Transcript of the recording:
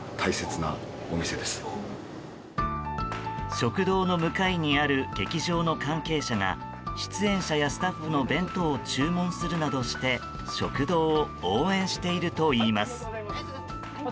食堂の向かいにある劇場の関係者が出演者やスタッフの弁当などを注文するなどして食堂を応援しているといいます。